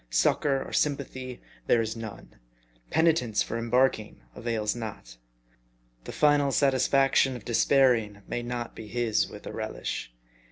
Succor or sympathy there is none. Penitence for embarking avails not. The final satisfaction of despair ing may not be his with a relish.